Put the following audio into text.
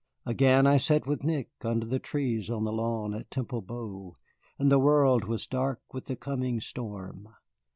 Again, I sat with Nick under the trees on the lawn at Temple Bow, and the world was dark with the coming storm.